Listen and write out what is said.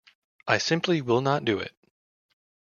I simply will not do it.